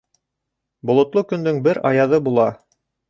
Болотло көндөң бер аяҙы була.